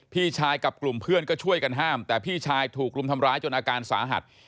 พี่ชายกับกลุ่มเพื่อนก็ช่วยกันห้ามแต่พี่ชายถูกรุมทำร้ายจนอาการสาหัส